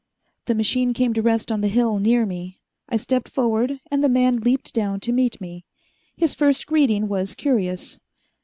The machine came to rest on the hill near me. I stepped forward, and the man leaped down to meet me. His first greeting was curious.